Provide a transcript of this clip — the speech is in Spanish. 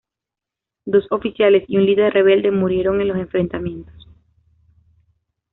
Dos oficiales y un líder rebelde murieron en los enfrentamientos.